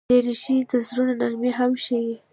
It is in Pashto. دریشي د زړونو نرمي هم ښيي.